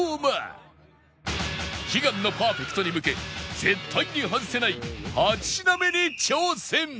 悲願のパーフェクトに向け絶対に外せない８品目に挑戦